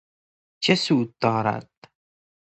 چه سود دارد